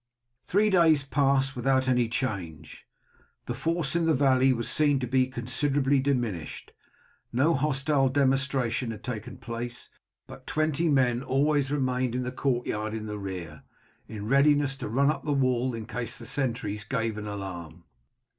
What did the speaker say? Three days passed without any change. The force in the valley was seen to be considerably diminished, no hostile demonstration had taken place; but twenty men always remained in the courtyard in the rear, in readiness to run up to the wall in case the sentries gave an alarm.